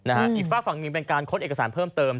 อีกฝากฝั่งหนึ่งเป็นการค้นเอกสารเพิ่มเติม